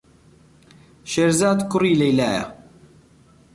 شێرزاد کوڕی لەیلایە.